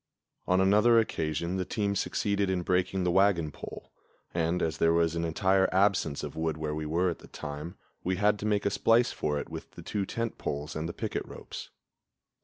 On another occasion the team succeeded in breaking the wagon pole; and, as there was an entire absence of wood where we were at the time, we had to make a splice for it with the two tent poles and the picket ropes.